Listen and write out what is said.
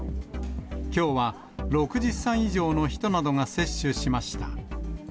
きょうは６０歳以上の人などが接種しました。